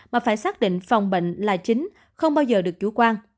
mà phải xác định phòng bệnh là chính không bao giờ được chủ quan